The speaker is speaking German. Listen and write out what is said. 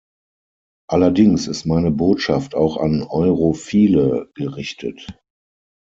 Allerdings ist meine Botschaft auch an Europhile gerichtet.